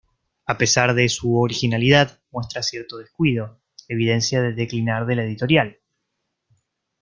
A pesar de su originalidad, muestra cierto descuido, evidencia del declinar de la editorial.